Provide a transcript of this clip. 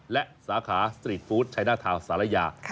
และสาขาสตรีทฟู้ดใช้หน้าทาวน์สารยา